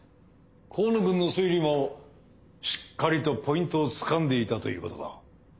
河野くんの推理もしっかりとポイントをつかんでいたということだ。